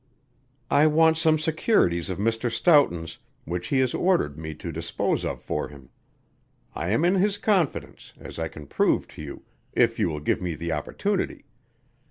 "I want some securities of Mr. Stoughton's which he has ordered me to dispose of for him. I am in his confidence, as I can prove to you if you will give me the opportunity.